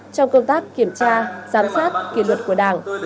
trong công tác kiểm tra giám sát kỷ luật của đảng